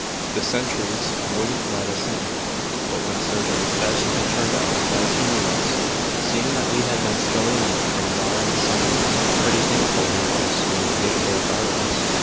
The sentries wouldn't let us in, but when a sergeant was fetched it turned out as he knew us, seeing that we had been scouting out from thar in the summer. Pretty thankful we was when the gate closed arter us.